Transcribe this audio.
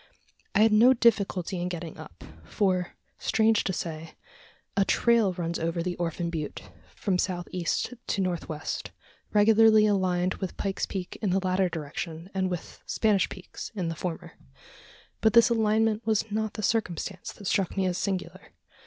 I had no difficulty in getting up for, strange to say, a trail runs over the Orphan Butte, from south east to north west, regularly aligned with Pike's Peak in the latter direction, and with Spanish Peaks in the former! But this alignment was not the circumstance that struck me as singular.